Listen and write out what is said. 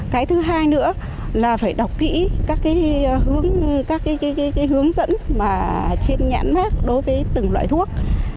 cái thứ hai nữa là phải đọc kỹ các hướng dẫn mà trên nhãn mác đối với từng loại thuốc